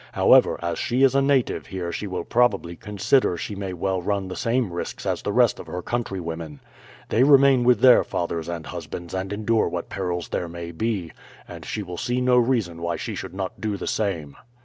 However, as she is a native here she will probably consider she may well run the same risks as the rest of her countrywomen. They remain with their fathers and husbands and endure what perils there may be, and she will see no reason why she should not do the same."